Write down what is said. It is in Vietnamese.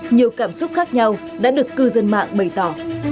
nhiều cảm xúc khác nhau đã được cư dân mạng bày tỏ